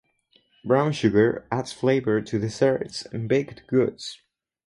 Brown sugar adds flavor to desserts and baked goods.